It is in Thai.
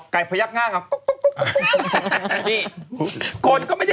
ไก่พระยักษ์ง่าครับ